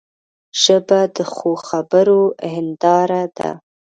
ژبه د ښو خبرو هنداره ده